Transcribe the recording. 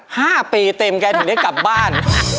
ห้าปีเต็มแกถึงได้กลับบ้าน